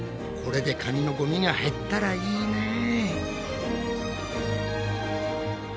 これで紙のゴミが減ったらいいね！